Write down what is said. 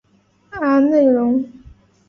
阿内龙。